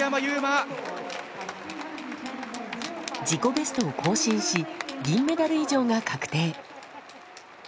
自己ベストを更新し銀メダル以上が確定。